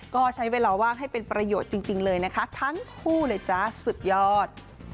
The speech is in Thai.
ก็ใช้เวลาว่างให้เป็นประโยชน์จริงเลยนะคะทั้งคู่เลยจ๊ะสุดยอด